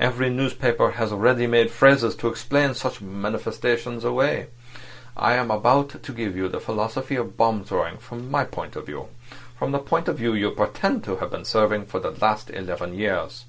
Every newspaper has ready made phrases to explain such manifestations away. I am about to give you the philosophy of bomb throwing from my point of view; from the point of view you pretend to have been serving for the last eleven years.